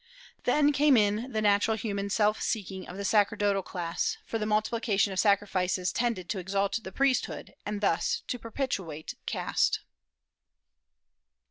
Then came in the natural human self seeking of the sacerdotal class, for the multiplication of sacrifices tended to exalt the priesthood, and thus to perpetuate caste.